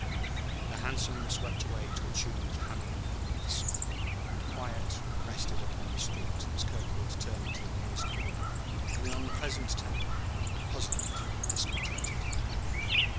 The hansom swept away to a tune of hammering hoofs; and quiet rested upon the street as Kirkwood turned the nearest corner, in an unpleasant temper, puzzled and discontented.